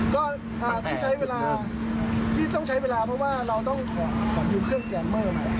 ก็คือใช้เวลาที่ต้องใช้เวลาเพราะว่าเราต้องขอมีเครื่องแจร์เมอร์ใหม่